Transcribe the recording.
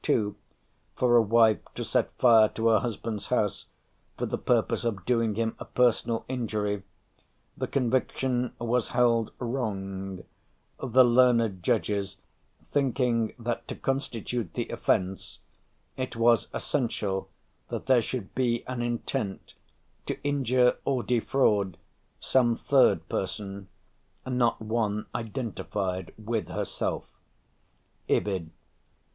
2, for a wife to set fire to her husband's house for the purpose of doing him a personal injury, the conviction was held wrong, the learned judges thinking that to constitute the offence, it was essential that there should be an intent to injure or defraud some third person, not one identified with herself" (Ibid, p.